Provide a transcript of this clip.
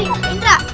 ah tapi indra